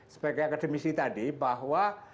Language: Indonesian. sebagai akademisi tadi bahwa